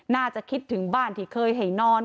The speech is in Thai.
น่าจะคิดถึงบ้านที่เคยให้นอน